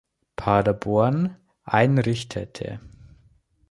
Paderborn einrichtete.